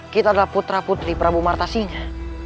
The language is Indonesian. kita adalah putra putri prabu martasinya